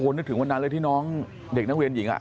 นึกถึงวันนั้นเลยที่น้องเด็กนักเรียนหญิง